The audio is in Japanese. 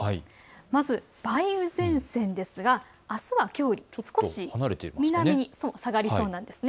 まず梅雨前線ですがあすはきょうより南に下がりそうなんです。